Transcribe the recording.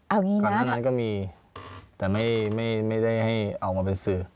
ครั้งนั้นก็มีแต่ไม่ได้ให้ออกมาเป็นสื่อ